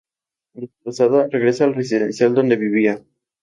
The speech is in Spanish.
Destrozada, regresa al residencial donde vivía.